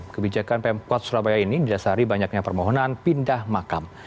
kebijakan pemkot surabaya ini didasari banyaknya permohonan pindah makam